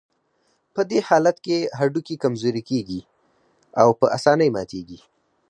په دې حالت کې هډوکي کمزوري کېږي او په آسانۍ ماتېږي.